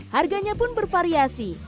harganya pun bervariasi